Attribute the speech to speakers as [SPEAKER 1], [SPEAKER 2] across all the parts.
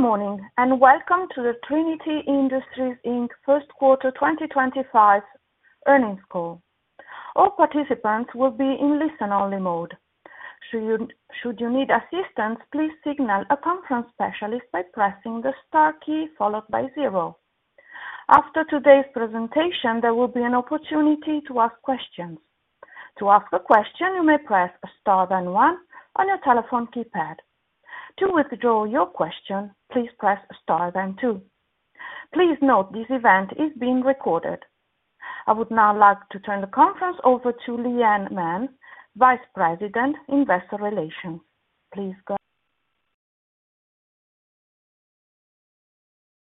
[SPEAKER 1] Good morning, and welcome to the Trinity Industries First Quarter 2025 Earnings Call. All participants will be in listen-only mode. Should you need assistance, please signal a conference specialist by pressing the star key followed by zero. After today's presentation, there will be an opportunity to ask questions. To ask a question, you may press star then one on your telephone keypad. To withdraw your question, please press star then two. Please note this event is being recorded. I would now like to turn the conference over to Leigh Anne Mann, Vice President, Investor Relations. Please go.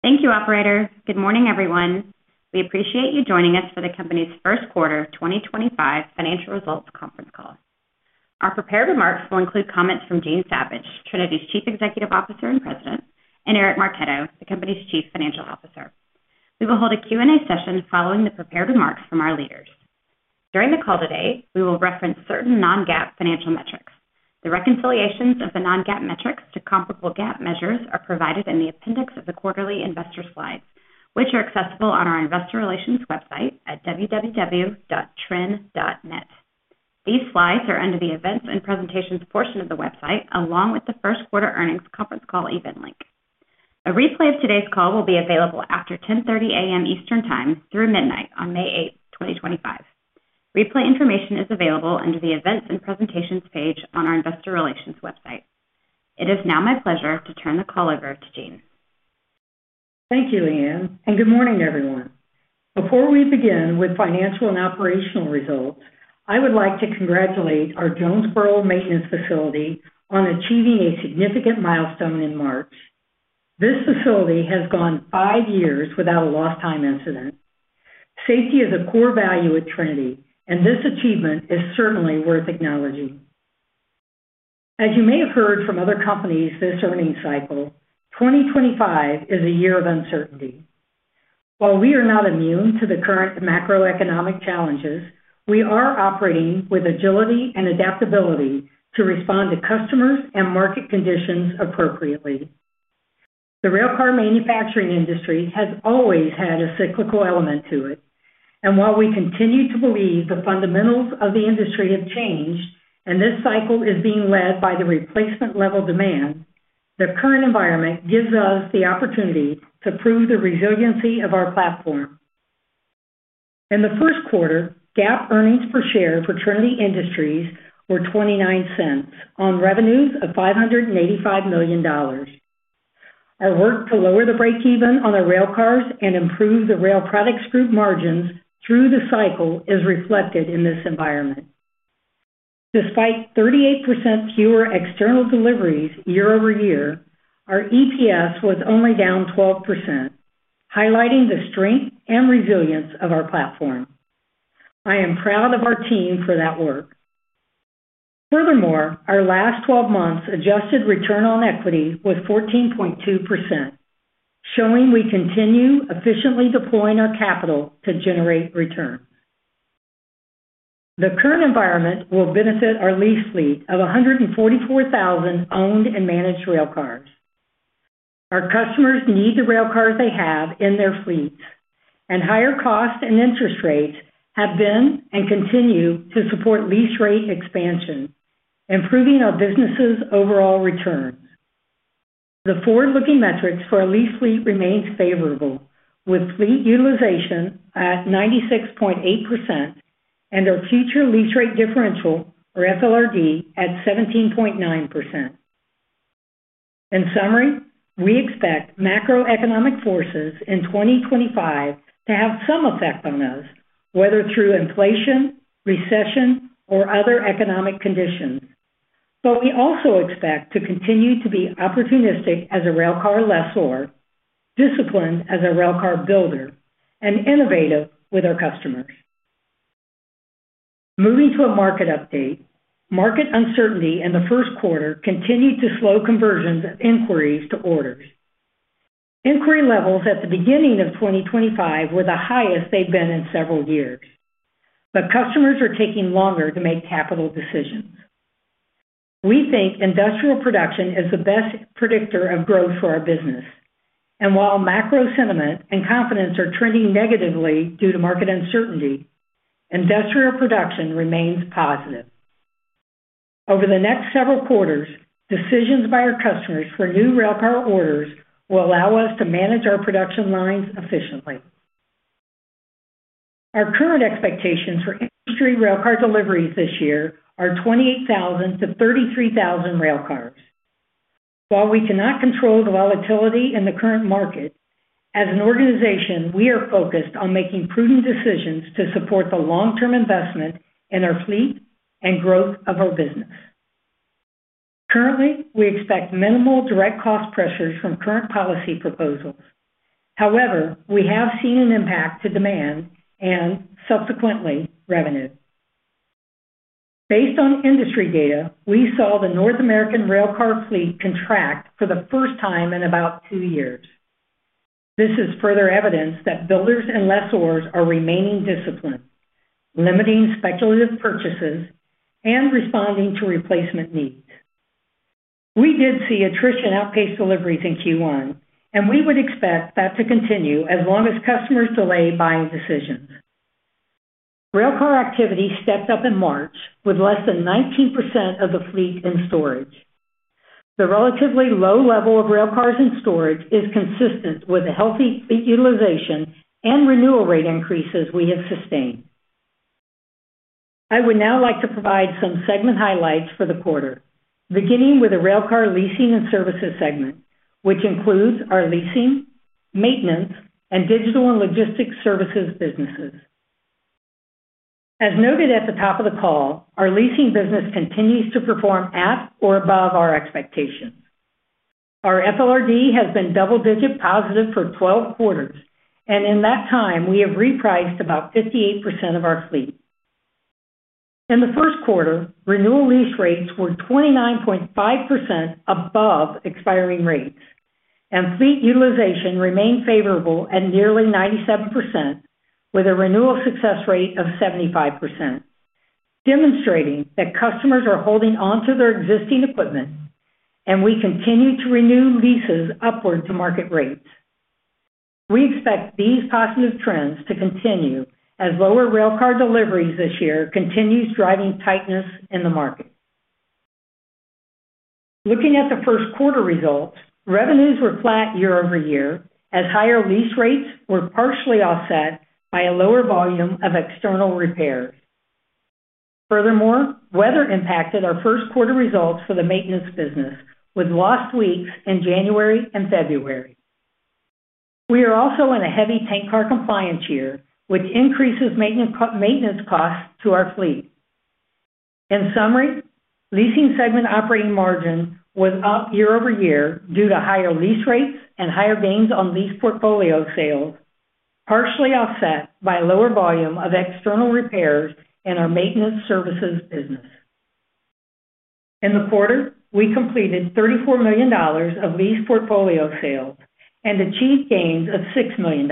[SPEAKER 2] Thank you, Operator. Good morning, everyone. We appreciate you joining us for the company's First Quarter 2025 Financial Results Conference Call. Our prepared remarks will include comments from Jean Savage, Trinity's Chief Executive Officer and President, and Eric Marchetto, the company's Chief Financial Officer. We will hold a Q&A session following the prepared remarks from our leaders. During the call today, we will reference certain non-GAAP financial metrics. The reconciliations of the non-GAAP metrics to comparable GAAP measures are provided in the appendix of the quarterly investor slides, which are accessible on our investor relations website at www.trin.net. These slides are under the events and presentations portion of the website, along with the First Quarter earnings conference call event link. A replay of today's call will be available after 10:30 A.M. Eastern Time through midnight on May 8th, 2025. Replay information is available under the events and presentations page on our investor relations website. It is now my pleasure to turn the call over to Jean.
[SPEAKER 3] Thank you, Leigh Anne, and good morning, everyone. Before we begin with financial and operational results, I would like to congratulate our Jonesboro Maintenance Facility on achieving a significant milestone in March. This facility has gone five years without a lost-time incident. Safety is a core value at Trinity, and this achievement is certainly worth acknowledging. As you may have heard from other companies this earnings cycle, 2025 is a year of uncertainty. While we are not immune to the current macroeconomic challenges, we are operating with agility and adaptability to respond to customers and market conditions appropriately. The railcar manufacturing industry has always had a cyclical element to it, and while we continue to believe the fundamentals of the industry have changed and this cycle is being led by the replacement-level demand, the current environment gives us the opportunity to prove the resiliency of our platform. In the first quarter, GAAP earnings per share for Trinity Industries were $0.29 on revenues of $585 million. Our work to lower the break-even on our railcars and improve the rail products group margins through the cycle is reflected in this environment. Despite 38% fewer external deliveries year-over-year, our EPS was only down 12%, highlighting the strength and resilience of our platform. I am proud of our team for that work. Furthermore, our last 12 months' adjusted return on equity was 14.2%, showing we continue efficiently deploying our capital to generate return. The current environment will benefit our lease fleet of 144,000 owned and managed railcars. Our customers need the railcars they have in their fleets, and higher costs and interest rates have been and continue to support lease rate expansion, improving our business's overall returns. The forward-looking metrics for our lease fleet remain favorable, with fleet utilization at 96.8% and our future lease rate differential, or FLRD, at 17.9%. In summary, we expect macroeconomic forces in 2025 to have some effect on us, whether through inflation, recession, or other economic conditions, but we also expect to continue to be opportunistic as a railcar lessor, disciplined as a railcar builder, and innovative with our customers. Moving to a market update, market uncertainty in the first quarter continued to slow conversions of inquiries to orders. Inquiry levels at the beginning of 2025 were the highest they've been in several years, but customers are taking longer to make capital decisions. We think industrial production is the best predictor of growth for our business, and while macro sentiment and confidence are trending negatively due to market uncertainty, industrial production remains positive. Over the next several quarters, decisions by our customers for new railcar orders will allow us to manage our production lines efficiently. Our current expectations for industry railcar deliveries this year are 28,000-33,000 railcars. While we cannot control the volatility in the current market, as an organization, we are focused on making prudent decisions to support the long-term investment in our fleet and growth of our business. Currently, we expect minimal direct cost pressures from current policy proposals. However, we have seen an impact to demand and subsequently revenue. Based on industry data, we saw the North American railcar fleet contract for the first time in about two years. This is further evidence that builders and lessors are remaining disciplined, limiting speculative purchases, and responding to replacement needs. We did see attrition outpaced deliveries in Q1, and we would expect that to continue as long as customers delay buying decisions. Railcar activity stepped up in March, with less than 19% of the fleet in storage. The relatively low level of railcars in storage is consistent with the healthy fleet utilization and renewal rate increases we have sustained. I would now like to provide some segment highlights for the quarter, beginning with the railcar leasing and services segment, which includes our leasing, maintenance, and digital and logistics services businesses. As noted at the top of the call, our leasing business continues to perform at or above our expectations. Our FLRD has been double-digit positive for 12 quarters, and in that time, we have repriced about 58% of our fleet. In the first quarter, renewal lease rates were 29.5% above expiring rates, and fleet utilization remained favorable at nearly 97%, with a renewal success rate of 75%, demonstrating that customers are holding onto their existing equipment, and we continue to renew leases upward to market rates. We expect these positive trends to continue as lower railcar deliveries this year continue driving tightness in the market. Looking at the first quarter results, revenues were flat year-over-year, as higher lease rates were partially offset by a lower volume of external repairs. Furthermore, weather impacted our first quarter results for the maintenance business, with lost weeks in January and February. We are also in a heavy tank car compliance year, which increases maintenance costs to our fleet. In summary, leasing segment operating margin was up year-over-year due to higher lease rates and higher gains on lease portfolio sales, partially offset by a lower volume of external repairs in our maintenance services business. In the quarter, we completed $34 million of lease portfolio sales and achieved gains of $6 million.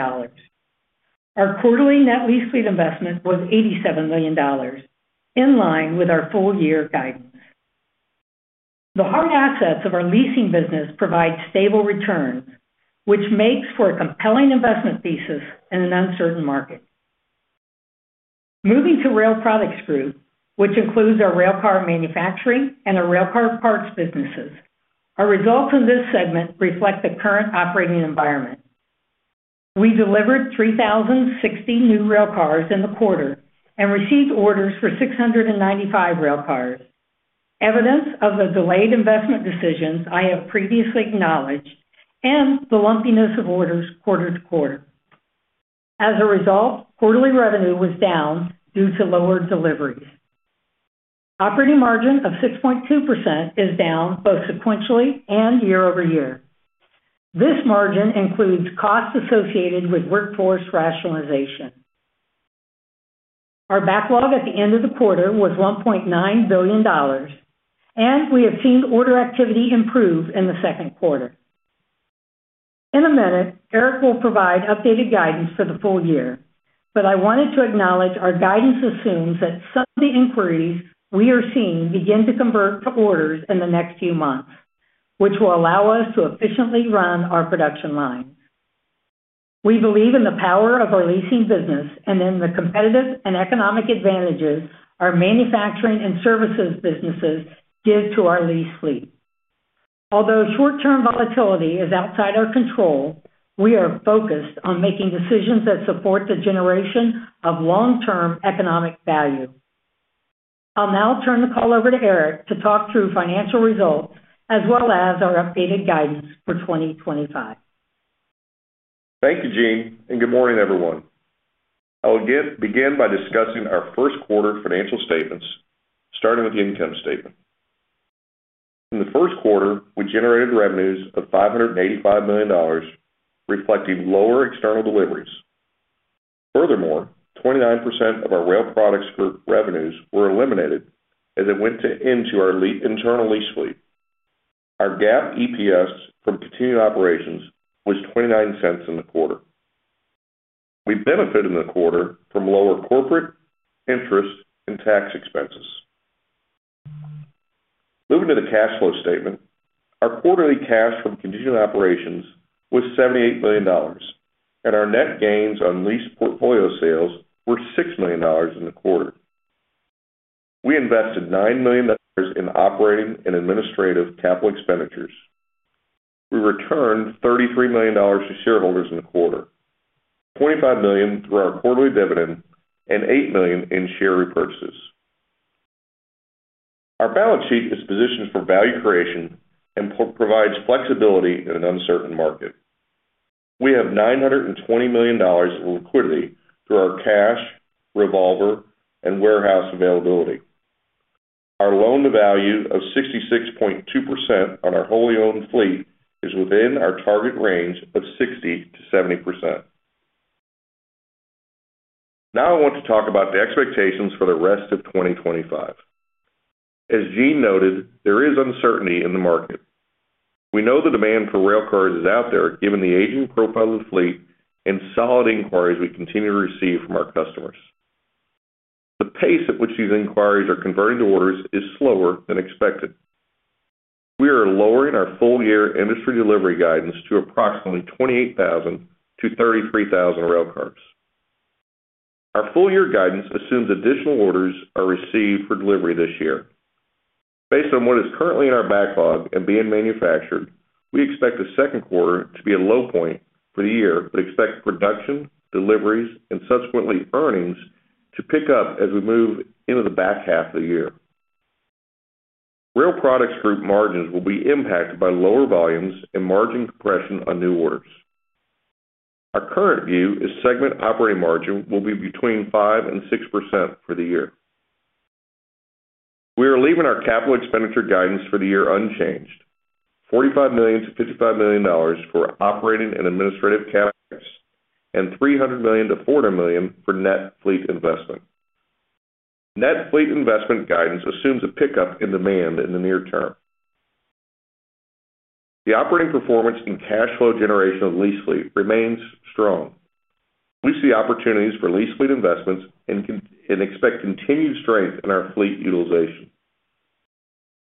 [SPEAKER 3] Our quarterly net lease fleet investment was $87 million, in line with our full-year guidance. The hard assets of our leasing business provide stable returns, which makes for a compelling investment thesis in an uncertain market. Moving to rail products group, which includes our railcar manufacturing and our railcar parts businesses, our results in this segment reflect the current operating environment. We delivered 3,060 new railcars in the quarter and received orders for 695 railcars, evidence of the delayed investment decisions I have previously acknowledged and the lumpiness of orders quarter to quarter. As a result, quarterly revenue was down due to lower deliveries. Operating margin of 6.2% is down both sequentially and year-over-year. This margin includes costs associated with workforce rationalization. Our backlog at the end of the quarter was $1.9 billion, and we have seen order activity improve in the second quarter. In a minute, Eric will provide updated guidance for the full year, but I wanted to acknowledge our guidance assumes that some of the inquiries we are seeing begin to convert to orders in the next few months, which will allow us to efficiently run our production lines. We believe in the power of our leasing business and in the competitive and economic advantages our manufacturing and services businesses give to our lease fleet. Although short-term volatility is outside our control, we are focused on making decisions that support the generation of long-term economic value. I'll now turn the call over to Eric to talk through financial results as well as our updated guidance for 2025.
[SPEAKER 4] Thank you, Jean, and good morning, everyone. I'll begin by discussing our first quarter financial statements, starting with the income statement. In the first quarter, we generated revenues of $585 million, reflecting lower external deliveries. Furthermore, 29% of our rail products group revenues were eliminated as it went into our internal lease fleet. Our GAAP EPS from continued operations was $0.29 in the quarter. We benefited in the quarter from lower corporate interest and tax expenses. Moving to the cash flow statement, our quarterly cash from continued operations was $78 million, and our net gains on lease portfolio sales were $6 million in the quarter. We invested $9 million in operating and administrative capital expenditures. We returned $33 million to shareholders in the quarter, $25 million through our quarterly dividend, and $8 million in share repurchases. Our balance sheet is positioned for value creation and provides flexibility in an uncertain market. We have $920 million in liquidity through our cash, revolver, and warehouse availability. Our loan-to-value of 66.2% on our wholly owned fleet is within our target range of 60%-70%. Now I want to talk about the expectations for the rest of 2025. As Jean noted, there is uncertainty in the market. We know the demand for railcars is out there given the aging profile of the fleet and solid inquiries we continue to receive from our customers. The pace at which these inquiries are converting to orders is slower than expected. We are lowering our full-year industry delivery guidance to approximately 28,000-33,000 railcars. Our full-year guidance assumes additional orders are received for delivery this year. Based on what is currently in our backlog and being manufactured, we expect the second quarter to be a low point for the year, but expect production, deliveries, and subsequently earnings to pick up as we move into the back half of the year. Rail products group margins will be impacted by lower volumes and margin compression on new orders. Our current view is segment operating margin will be between 5%-6% for the year. We are leaving our capital expenditure guidance for the year unchanged: $45 million-$55 million for operating and administrative capex and $300 million-$400 million for net fleet investment. Net fleet investment guidance assumes a pickup in demand in the near term. The operating performance and cash flow generation of the lease fleet remains strong. We see opportunities for lease fleet investments and expect continued strength in our fleet utilization.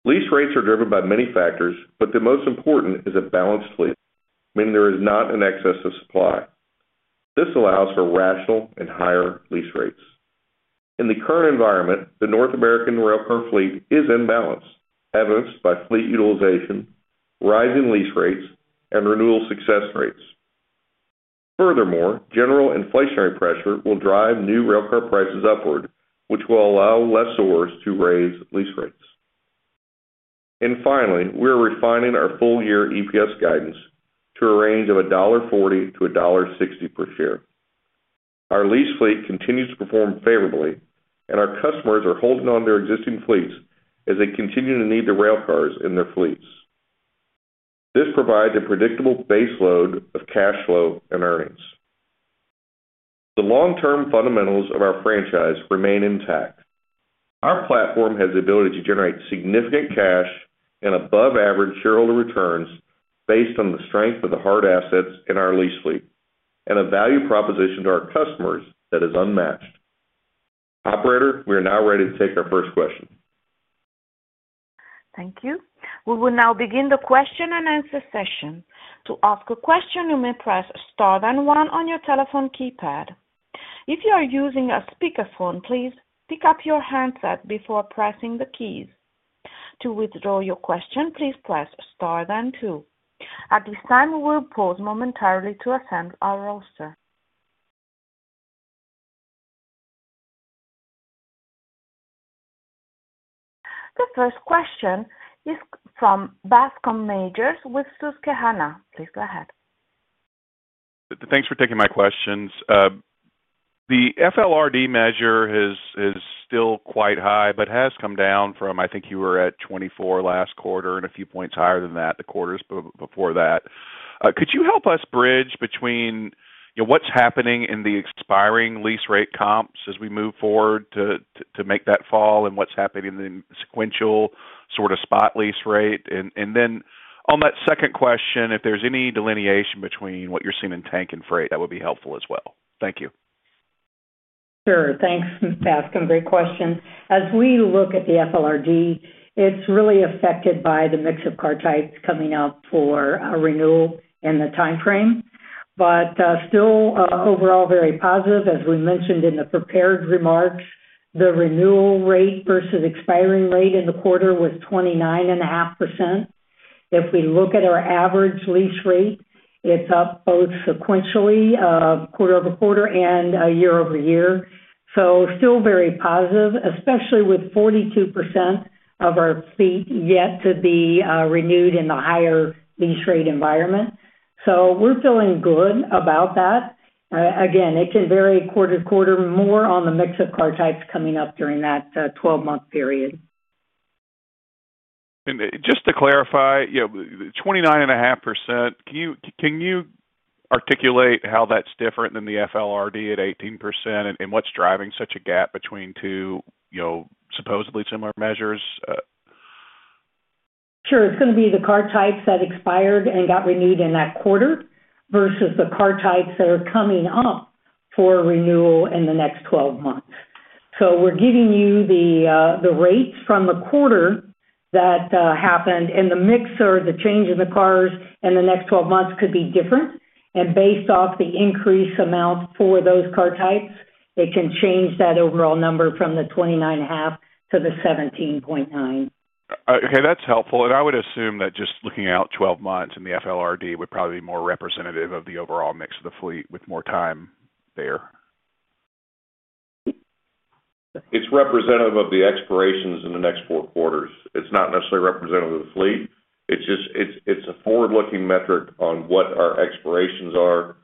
[SPEAKER 4] Lease rates are driven by many factors, but the most important is a balanced fleet, meaning there is not an excess of supply. This allows for rational and higher lease rates. In the current environment, the North American railcar fleet is imbalanced, evidenced by fleet utilization, rising lease rates, and renewal success rates. Furthermore, general inflationary pressure will drive new railcar prices upward, which will allow lessors to raise lease rates. Finally, we are refining our full-year EPS guidance to a range of $1.40-$1.60 per share. Our lease fleet continues to perform favorably, and our customers are holding onto their existing fleets as they continue to need the railcars in their fleets. This provides a predictable baseload of cash flow and earnings. The long-term fundamentals of our franchise remain intact. Our platform has the ability to generate significant cash and above-average shareholder returns based on the strength of the hard assets in our lease fleet and a value proposition to our customers that is unmatched. Operator, we are now ready to take our first question.
[SPEAKER 1] Thank you. We will now begin the question and answer session. To ask a question, you may press star then one on your telephone keypad. If you are using a speakerphone, please pick up your handset before pressing the keys. To withdraw your question, please press star then two. At this time, we will pause momentarily to assemble our roster. The first question is from Bascom Majors with Susquehanna. Please go ahead.
[SPEAKER 5] Thanks for taking my questions. The FLRD measure is still quite high, but has come down from, I think you were at 24 last quarter and a few points higher than that the quarters before that. Could you help us bridge between what's happening in the expiring lease rate comps as we move forward to make that fall and what's happening in the sequential sort of spot lease rate? On that second question, if there's any delineation between what you're seeing in tank and freight, that would be helpful as well. Thank you.
[SPEAKER 3] Sure. Thanks, Bascom. Great question. As we look at the FLRD, it's really affected by the mix of car types coming up for renewal in the timeframe, but still overall very positive. As we mentioned in the prepared remarks, the renewal rate versus expiring rate in the quarter was 29.5%. If we look at our average lease rate, it's up both sequentially quarter-over-quarter and year-over-year. Still very positive, especially with 42% of our fleet yet to be renewed in the higher lease rate environment. We're feeling good about that. Again, it can vary quarter to quarter more on the mix of car types coming up during that 12-month period.
[SPEAKER 5] Just to clarify, 29.5%, can you articulate how that's different than the FLRD at 18% and what's driving such a gap between two supposedly similar measures?
[SPEAKER 3] It is going to be the car types that expired and got renewed in that quarter versus the car types that are coming up for renewal in the next 12 months. We are giving you the rates from the quarter that happened, and the mix or the change in the cars in the next 12 months could be different. Based off the increased amount for those car types, it can change that overall number from the 29.5% to the 17.9%.
[SPEAKER 5] Okay. That's helpful. I would assume that just looking out 12 months in the FLRD would probably be more representative of the overall mix of the fleet with more time there.
[SPEAKER 4] It's representative of the expirations in the next four quarters. It's not necessarily representative of the fleet. It's a forward-looking metric on what our expirations are,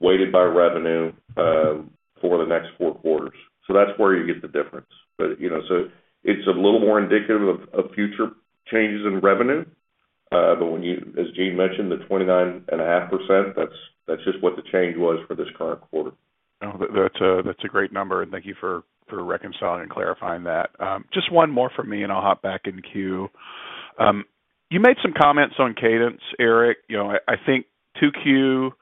[SPEAKER 4] weighted by revenue for the next four quarters. That is where you get the difference. It's a little more indicative of future changes in revenue. As Jean mentioned, the 29.5% is just what the change was for this current quarter.
[SPEAKER 5] Oh, that's a great number. Thank you for reconciling and clarifying that. Just one more from me, and I'll hop back in queue. You made some comments on cadence, Eric. I think to queue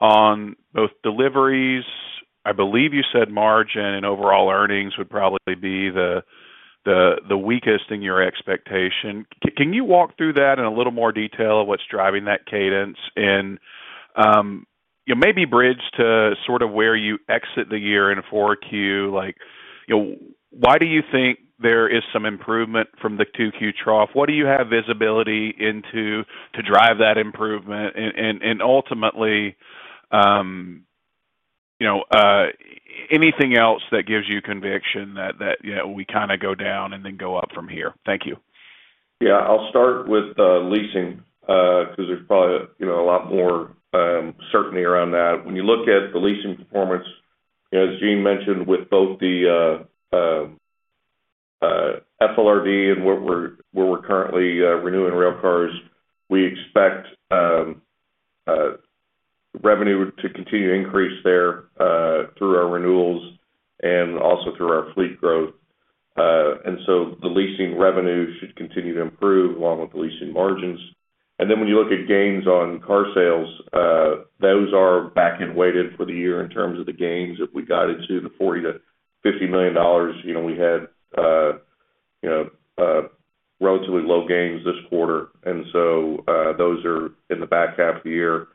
[SPEAKER 5] on both deliveries, I believe you said margin and overall earnings would probably be the weakest in your expectation. Can you walk through that in a little more detail of what's driving that cadence and maybe bridge to sort of where you exit the year in four queue? Why do you think there is some improvement from the two-queue trough? What do you have visibility into to drive that improvement? Ultimately, anything else that gives you conviction that we kind of go down and then go up from here? Thank you.
[SPEAKER 4] Yeah. I'll start with leasing because there's probably a lot more certainty around that. When you look at the leasing performance, as Jean mentioned, with both the FLRD and where we're currently renewing railcars, we expect revenue to continue to increase there through our renewals and also through our fleet growth. The leasing revenue should continue to improve along with the leasing margins. When you look at gains on car sales, those are back and weighted for the year in terms of the gains. If we got into the $40-$50 million, we had relatively low gains this quarter. Those are in the back half of the year.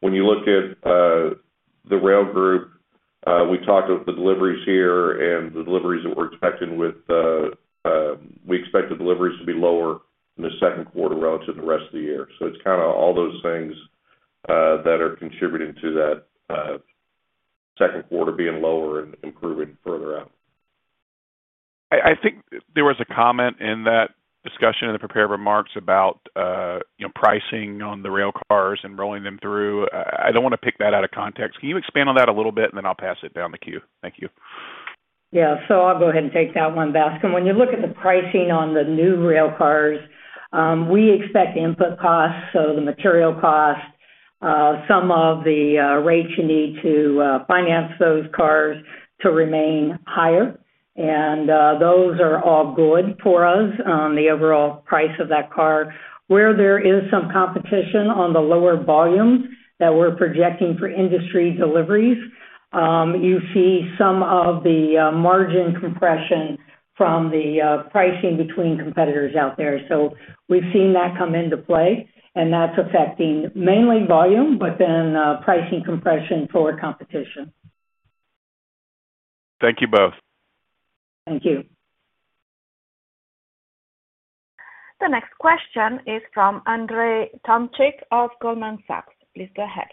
[SPEAKER 4] When you look at the rail group, we talked about the deliveries here and the deliveries that we're expecting, we expect the deliveries to be lower in the second quarter relative to the rest of the year. It is kind of all those things that are contributing to that second quarter being lower and improving further out.
[SPEAKER 5] I think there was a comment in that discussion in the prepared remarks about pricing on the railcars and rolling them through. I don't want to pick that out of context. Can you expand on that a little bit, and then I'll pass it down the queue? Thank you.
[SPEAKER 3] Yeah. I'll go ahead and take that one, Bascom. When you look at the pricing on the new railcars, we expect input costs, so the material cost, some of the rates you need to finance those cars to remain higher. Those are all good for us on the overall price of that car. Where there is some competition on the lower volumes that we're projecting for industry deliveries, you see some of the margin compression from the pricing between competitors out there. We've seen that come into play, and that's affecting mainly volume, but then pricing compression for competition.
[SPEAKER 5] Thank you both.
[SPEAKER 3] Thank you.
[SPEAKER 1] The next question is from Andrzej Tomczyk of Goldman Sachs. Please go ahead.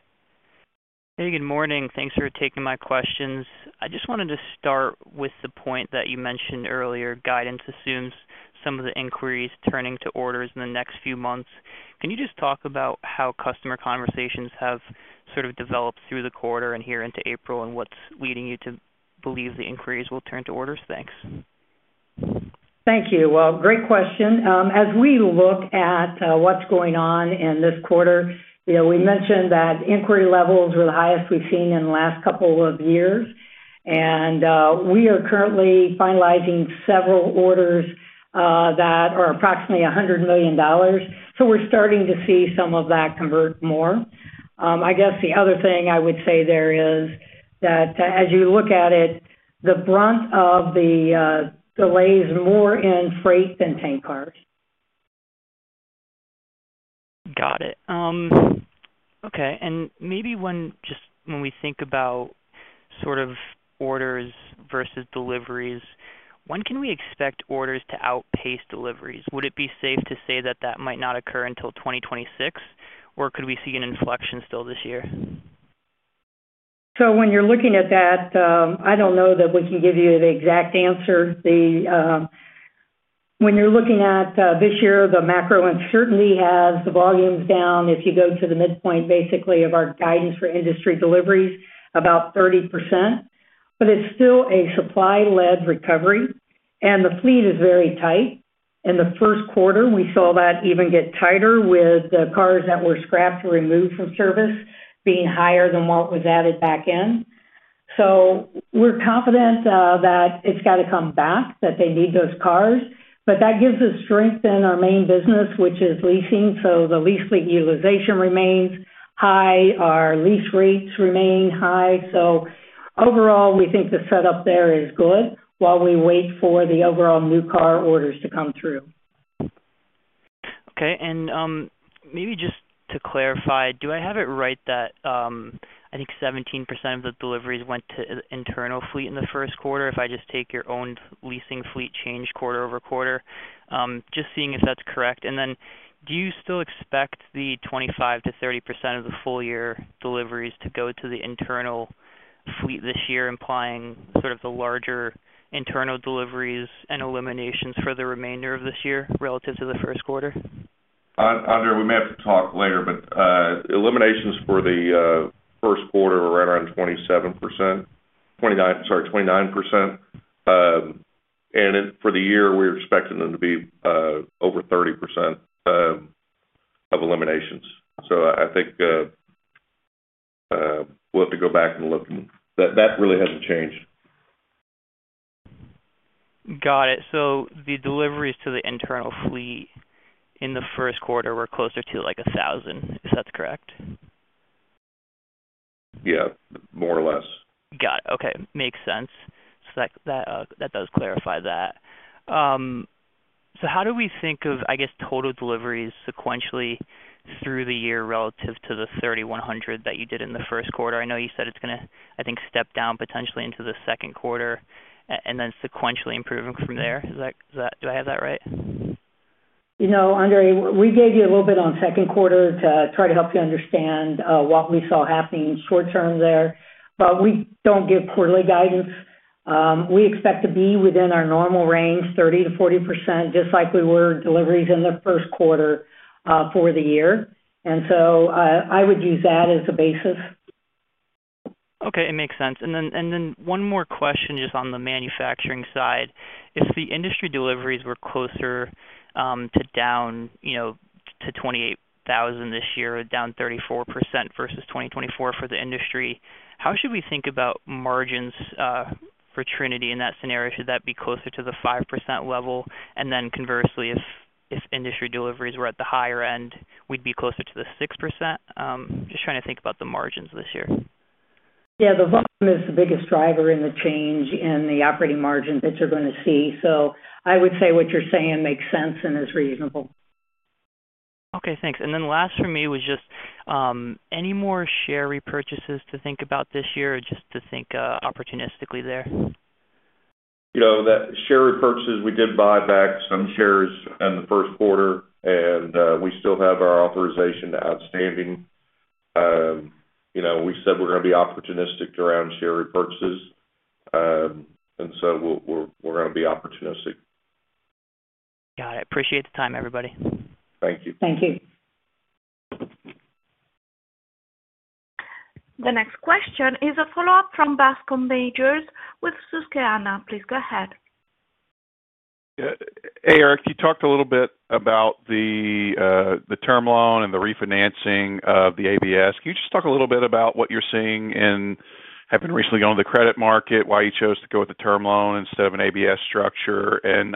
[SPEAKER 6] Hey, good morning. Thanks for taking my questions. I just wanted to start with the point that you mentioned earlier. Guidance assumes some of the inquiries turning to orders in the next few months. Can you just talk about how customer conversations have sort of developed through the quarter and here into April, and what's leading you to believe the inquiries will turn to orders? Thanks.
[SPEAKER 3] Thank you. Great question. As we look at what's going on in this quarter, we mentioned that inquiry levels were the highest we've seen in the last couple of years. We are currently finalizing several orders that are approximately $100 million. We're starting to see some of that convert more. I guess the other thing I would say there is that as you look at it, the brunt of the delay is more in freight than tank cars.
[SPEAKER 6] Got it. Okay. Maybe just when we think about sort of orders versus deliveries, when can we expect orders to outpace deliveries? Would it be safe to say that that might not occur until 2026, or could we see an inflection still this year?
[SPEAKER 3] When you're looking at that, I don't know that we can give you the exact answer. When you're looking at this year, the macro uncertainty has the volumes down. If you go to the midpoint, basically, of our guidance for industry deliveries, about 30%. It is still a supply-led recovery. The fleet is very tight. In the first quarter, we saw that even get tighter with the cars that were scrapped or removed from service being higher than what was added back in. We are confident that it has to come back, that they need those cars. That gives us strength in our main business, which is leasing. The lease fleet utilization remains high. Our lease rates remain high. Overall, we think the setup there is good while we wait for the overall new car orders to come through.
[SPEAKER 6] Okay. Maybe just to clarify, do I have it right that I think 17% of the deliveries went to internal fleet in the first quarter if I just take your own leasing fleet change quarter-over-quarter? Just seeing if that's correct. Do you still expect the 25-30% of the full-year deliveries to go to the internal fleet this year, implying sort of the larger internal deliveries and eliminations for the remainder of this year relative to the first quarter?
[SPEAKER 4] Andrey, we may have to talk later, but eliminations for the first quarter are right around 27%, sorry, 29%. For the year, we're expecting them to be over 30% of eliminations. I think we'll have to go back and look. That really hasn't changed.
[SPEAKER 6] Got it. The deliveries to the internal fleet in the first quarter were closer to like 1,000, if that's correct?
[SPEAKER 4] Yeah, more or less.
[SPEAKER 6] Got it. Okay. Makes sense. That does clarify that. How do we think of, I guess, total deliveries sequentially through the year relative to the 3,100 that you did in the first quarter? I know you said it's going to, I think, step down potentially into the second quarter and then sequentially improving from there. Do I have that right?
[SPEAKER 3] Andrey, we gave you a little bit on second quarter to try to help you understand what we saw happening short-term there. We do not give quarterly guidance. We expect to be within our normal range, 30-40%, just like we were deliveries in the first quarter for the year. I would use that as a basis.
[SPEAKER 6] Okay. It makes sense. One more question just on the manufacturing side. If the industry deliveries were closer to down to 28,000 this year, down 34% versus 2024 for the industry, how should we think about margins for Trinity in that scenario? Should that be closer to the 5% level? Conversely, if industry deliveries were at the higher end, we'd be closer to the 6%? Just trying to think about the margins this year.
[SPEAKER 3] Yeah. The volume is the biggest driver in the change in the operating margins that you're going to see. I would say what you're saying makes sense and is reasonable.
[SPEAKER 6] Okay. Thanks. Last for me was just any more share repurchases to think about this year or just to think opportunistically there?
[SPEAKER 4] That share repurchases, we did buy back some shares in the first quarter, and we still have our authorization outstanding. We said we're going to be opportunistic around share repurchases. We are going to be opportunistic.
[SPEAKER 6] Got it. Appreciate the time, everybody.
[SPEAKER 4] Thank you.
[SPEAKER 3] Thank you.
[SPEAKER 1] The next question is a follow-up from Bascom Majors with Susquehanna. Please go ahead.
[SPEAKER 5] Hey, Eric. You talked a little bit about the term loan and the refinancing of the ABS. Can you just talk a little bit about what you're seeing in having recently gone to the credit market, why you chose to go with the term loan instead of an ABS structure, and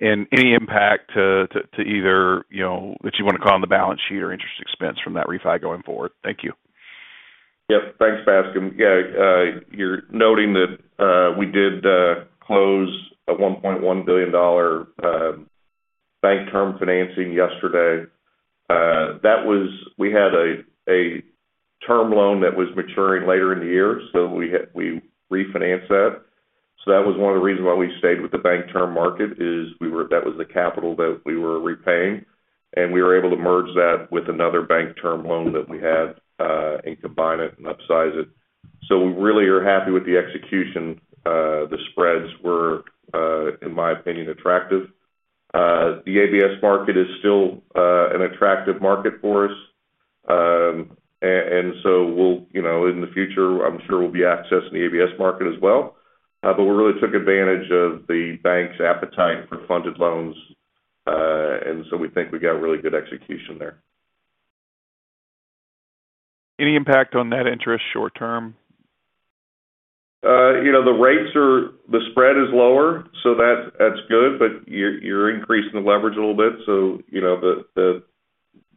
[SPEAKER 5] any impact to either that you want to call on the balance sheet or interest expense from that refi going forward? Thank you.
[SPEAKER 4] Yep. Thanks, Bascom. Yeah. You're noting that we did close a $1.1 billion bank term financing yesterday. We had a term loan that was maturing later in the year, so we refinanced that. That was one of the reasons why we stayed with the bank term market is that was the capital that we were repaying. We were able to merge that with another bank term loan that we had and combine it and upsize it. We really are happy with the execution. The spreads were, in my opinion, attractive. The ABS market is still an attractive market for us. In the future, I'm sure we'll be accessing the ABS market as well. We really took advantage of the bank's appetite for funded loans. We think we got really good execution there.
[SPEAKER 5] Any impact on net interest short-term?
[SPEAKER 4] The rates are the spread is lower, so that's good. You're increasing the leverage a little bit.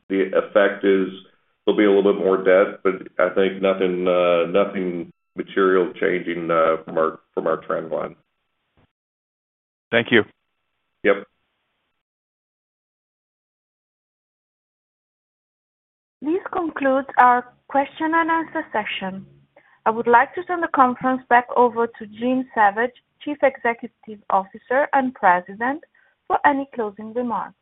[SPEAKER 4] The effect is there'll be a little bit more debt, but I think nothing material changing from our trend line.
[SPEAKER 5] Thank you.
[SPEAKER 4] Yep.
[SPEAKER 1] This concludes our question and answer session. I would like to turn the conference back over to Jean Savage, Chief Executive Officer and President, for any closing remarks.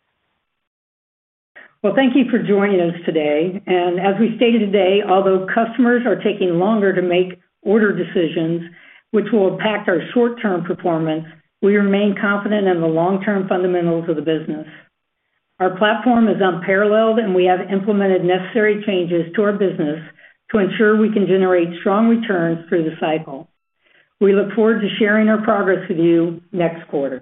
[SPEAKER 3] Thank you for joining us today. As we stated today, although customers are taking longer to make order decisions, which will impact our short-term performance, we remain confident in the long-term fundamentals of the business. Our platform is unparalleled, and we have implemented necessary changes to our business to ensure we can generate strong returns through the cycle. We look forward to sharing our progress with you next quarter.